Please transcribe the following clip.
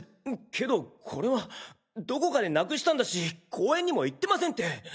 けどこれはどこかでなくしたんだし公園にも行ってませんって！